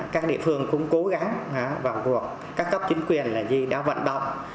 các địa phương cũng cố gắng và buộc các cấp chính quyền đã vận động